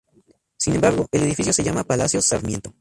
Sin embargo, el edificio se llama Palacio Sarmiento.